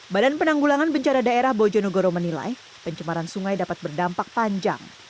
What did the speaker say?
badan penanggulangan bencana daerah bojonegoro menilai pencemaran sungai dapat berdampak panjang